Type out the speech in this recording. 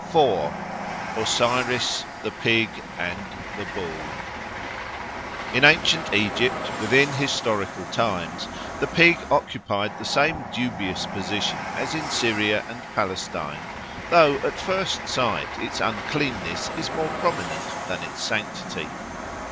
4. Osiris, the Pig and the Bull IN ANCIENT Egypt, within historical times, the pig occupied the same dubious position as in Syria and Palestine, though at first sight its uncleanness is more prominent than its sanctity.